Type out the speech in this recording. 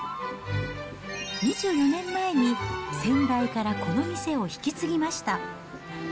２４年前に先代からこの店を引き継ぎました。